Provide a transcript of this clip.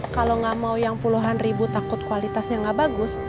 kalau nggak mau yang puluhan ribu takut kualitasnya nggak bagus